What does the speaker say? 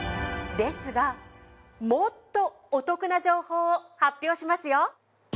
ですがもっとお得な情報を発表しますよ。